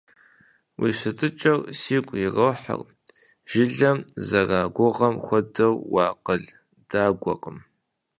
Уи щытыкӀэр сигу ирохьыр, жылэм зэрагугъэм хуэдэу уакъыл дагуэкъым.